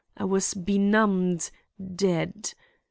I was benumbed—dead.